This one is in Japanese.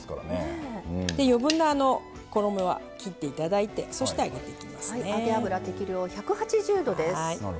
余分な衣は切っていただいてそして、揚げていきますね。